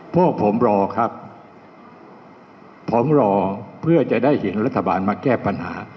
พวกผมรอครับผมรอเพื่อจะได้เห็นรัฐบาลมาแก้ปัญหา